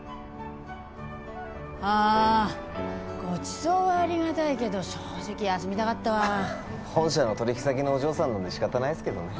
ああごちそうはありがたいけど正直休みたかったわ本社の取引先のお嬢さんなんで仕方ないですけどね